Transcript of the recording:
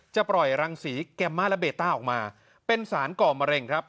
ปล่อยรังสีแกมม่าและเบต้าออกมาเป็นสารก่อมะเร็งครับ